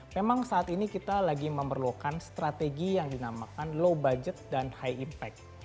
memang saat ini kita lagi memerlukan strategi yang dinamakan low budget dan high impact